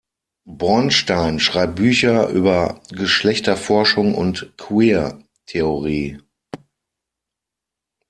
Bornstein schreibt Bücher über Geschlechterforschung und Queer-Theorie.